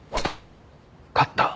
勝った。